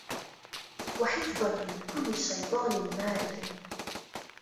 وَحِفظًا مِن كُلِّ شَيطانٍ مارِدٍ